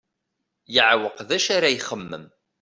Yeɛweq d acu ara ixemmem.